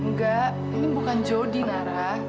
enggak ini bukan jody nara